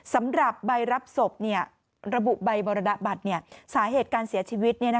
สำหรับใบรับศพระบุใบมรณบัตรสาเหตุการเสียชีวิต